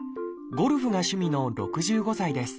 ゴルフが趣味の６５歳です。